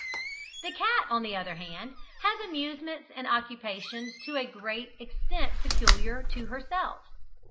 The cat, on the other hand, has amusements and occupations to a great extent peculiar to herself.